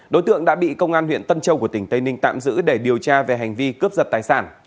đối tượng đã bị công an huyện tân châu của tỉnh tây ninh tạm giữ để điều tra về hành vi cướp giật tài sản